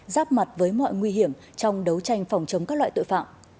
giáp mặt với mọi nguy hiểm trong đấu tranh phòng chống các loại tội phạm